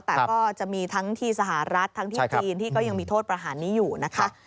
แต่ก็จะมีทั้งที่สหรัฐทั้งที่จีนที่ก็ยังมีโทษประหารนี้อยู่นะคะ